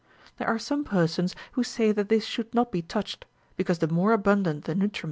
There are some persons who say that this should not be touched, because the more abundant the nutriment, the v See B.